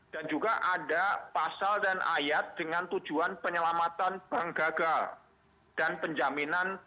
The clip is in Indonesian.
dan juga ada pasal dan ayat dengan tujuan penyelamatan penggagal dan penjaminan